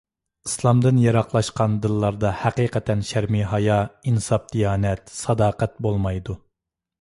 ئىسلامدىن يىراقلاشقان دىللاردا ھەقىقەتەن شەرمى-ھايا، ئىنساپ-دىيانەت، ساداقەت بولمايدۇ.